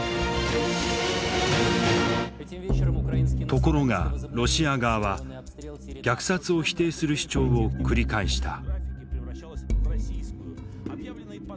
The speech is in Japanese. ところがロシア側は虐殺を否定する主張を繰り返した。